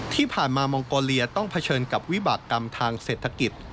ที่ผ่านมามองโกเลียต้องเผชิญกับวิบากรรมทางเศรษฐกิจ